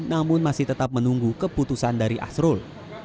namun masih tetap menunggu keputusan dari asrul